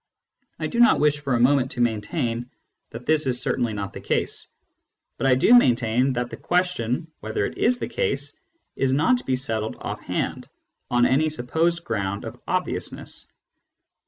I do not wish for a moment to maintain that this is certainly not the case, but I do maintain that the question whether it is the case is not to be settled ofF hand on any supposed ground of obviousness.